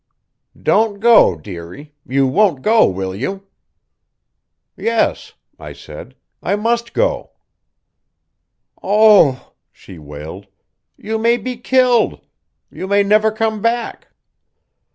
"Don't go, dearie you won't go, will you?" "Yes," I said. "I must go." "Oh," she wailed; "you may be killed. You may never come back."